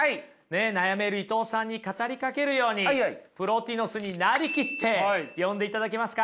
悩める伊藤さんに語りかけるようにプロティノスに成りきって読んでいただけますか。